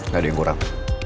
gak ada yang kurang